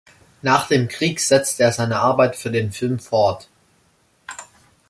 Nach dem Krieg setzte er seine Arbeit für den Film fort.